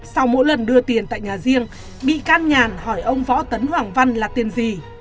sau mỗi lần đưa tiền tại nhà riêng bị can nhàn hỏi ông võ tấn hoàng văn là tiền gì